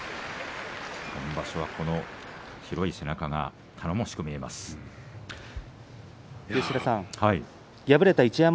今場所は広い背中が頼もしく見えます碧山。